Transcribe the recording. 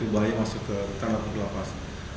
bayi masuk ke tanah atau ke lapas